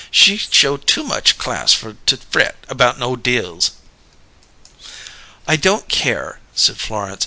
She show too much class fer to fret about no Dills." "I don't care," said Florence.